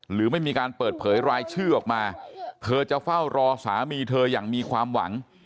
หรือไม่มีการเปิดเผยรายชื่อออกมาเธอจะเฝ้ารอสามีเธออย่างมีความหวัง